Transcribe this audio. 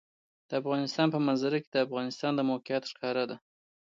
د افغانستان په منظره کې د افغانستان د موقعیت ښکاره ده.